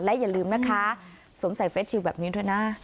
และอย่าลืมนะคะสวมใส่เฟสชีวิตแบบนี้เถอะนะ